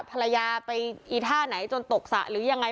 ภรรยาไปอีท่าไหนจนตกสระหรือยังไง